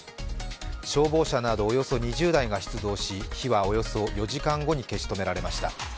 消防車などおよそ２０台が出動し火はおよそ４時間後に消し止められました。